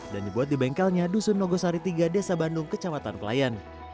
dan dibuat di bengkelnya dusun nogosari tiga desa bandung kecamatan pelayan